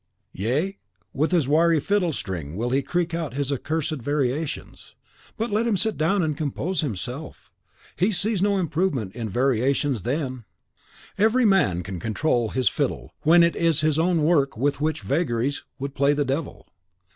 Yea, with his wiry fiddlestring will he creak out his accursed variations. But let him sit down and compose himself. He sees no improvement in variations THEN! Every man can control his fiddle when it is his own work with which its vagaries would play the devil.